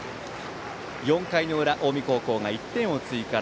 ４回の裏、近江高校が１点を追加。